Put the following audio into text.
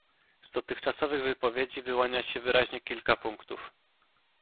Z dotychczasowych wypowiedzi wyłania się wyraźnie kilka punktów